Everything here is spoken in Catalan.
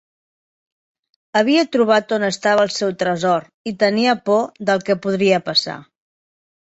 Havia trobat on estava el seu tresor i tenia por del que podria passar.